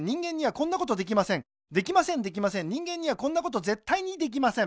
できませんできません人間にはこんなことぜったいにできません